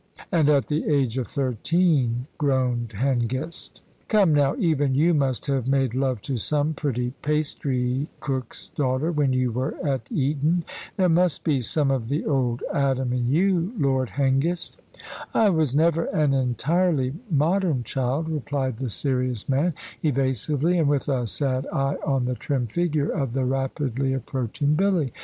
"And at the age of thirteen," groaned Hengist. "Come now, even you must have made love to some pretty pastry cook's daughter when you were at Eton. There must be some of the old Adam in you, Lord Hengist." "I was never an entirely modern child," replied the serious man, evasively, and with a sad eye on the trim figure of the rapidly approaching Billy.